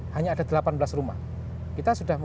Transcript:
hanya ada delapan belas rumah kita sudah